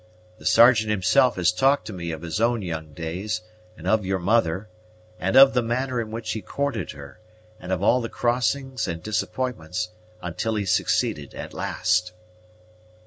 The Sergeant himself has talked to me of his own young days, and of your mother, and of the manner in which he courted her, and of all the crossings and disappointments, until he succeeded at last."